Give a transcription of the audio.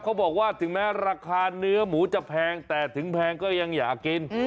บอกว่าถึงแม้ราคาเนื้อหมูจะแพงแต่ถึงแพงก็ยังอยากกิน